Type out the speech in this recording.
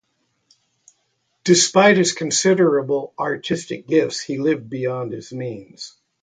Despite his considerable artistic gifts, he lived beyond his means.